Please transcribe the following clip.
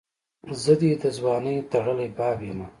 زه دي دځوانۍ ټړلي باب یمه